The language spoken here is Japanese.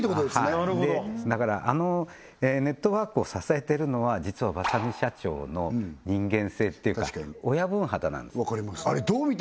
はいでだからあのネットワークを支えているのは実は和佐見社長の人間性っていうか親分肌なんてす分かります